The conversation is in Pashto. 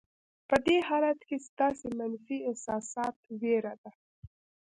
په دې حالت کې ستاسې منفي احساسات وېره ده.